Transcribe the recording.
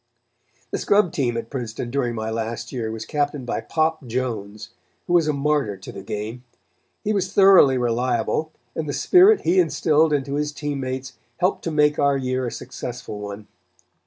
The scrub team at Princeton during my last year was captained by Pop Jones, who was a martyr to the game. He was thoroughly reliable, and the spirit he instilled into his team mates helped to make our year a successful one.